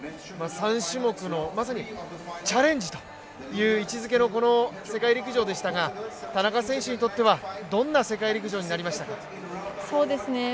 ３種目の、まさにチャレンジという位置づけのこの世界陸上でしたが、田中選手にとっては、どんな世界陸上になりましたか。